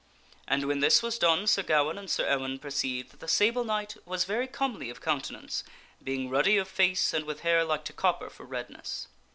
And when this was done Sir Gawaine and Sir Ewaine perceived that the Sable Knight was very comely of countenance, being ruddy of face and with hair like to copper for redness.